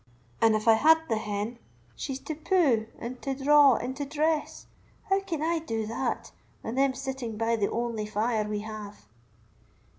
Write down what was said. And if I had the hen, she's to pu', and to draw, and to dress; how can I do that, and them sitting by the only fire we have?"